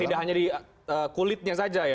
tidak hanya di kulitnya saja ya